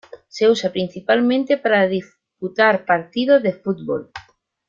Se usa principalmente para disputar partidos de fútbol.